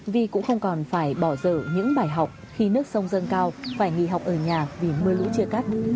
vì cũng không còn phải bỏ dở những bài học khi nước sông dâng cao phải nghỉ học ở nhà vì mưa lũ chia cắt